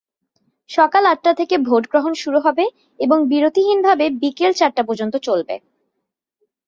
সকাল আটটা থেকে ভোটগ্রহণ শুরু হবে এবং বিরতিহীনভাবে বিকেল চারটা পর্যন্ত চলবে।